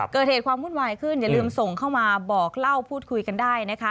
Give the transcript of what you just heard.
เกิดเหตุความวุ่นวายขึ้นอย่าลืมส่งเข้ามาบอกเล่าพูดคุยกันได้นะคะ